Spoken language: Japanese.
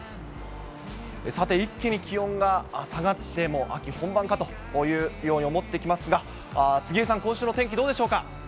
さて、一気に気温が下がって、もう秋本番かというように思ってきますが、杉江さん、今週の天気、どうでしょうか。